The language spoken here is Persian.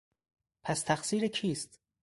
پس تقصیر کیست؟